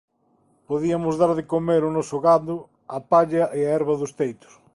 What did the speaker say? Podiamos dar de comer ó noso gando a palla e a herba dos teitos.